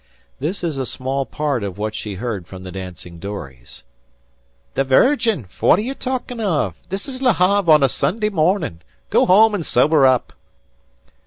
This is a small part of what she heard from the dancing dories: "The Virgin? Fwhat are you talkin' of? 'This is Le Have on a Sunday mornin'. Go home an' sober up."